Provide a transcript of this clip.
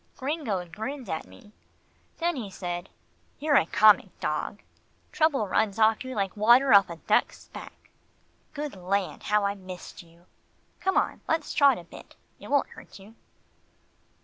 Gringo grinned at me. Then he said, "You're a comic dog trouble runs off you like water off a duck's back Good land! how I've missed you. Come on, let's trot a bit. It won't hurt you."